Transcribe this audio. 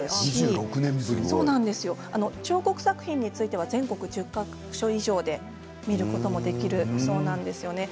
彫刻作品については全国１０か所以上で見ることができるそうなんですよね。